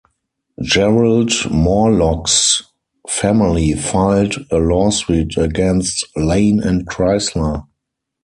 Gerald Morelock's family filed a lawsuit against Lane and Chrysler.